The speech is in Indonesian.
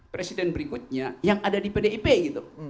presiden berikutnya yang ada di pdip gitu